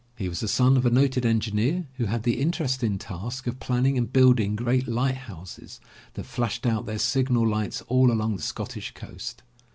He was the son of a noted engineer who had the interesting task of planning and building great light houses that flashed out their signal lights all along the Scottish coast.